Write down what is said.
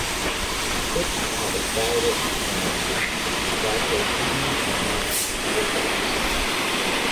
Cripps had acquired it from Vatopedi on Mount Athos.